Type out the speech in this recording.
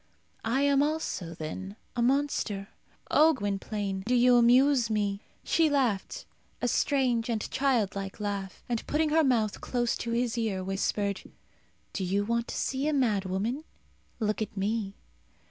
I am also, then, a monster. O Gwynplaine, you do amuse me!" She laughed, a strange and childlike laugh; and, putting her mouth close to his ear, whispered, "Do you want to see a mad woman? look at me."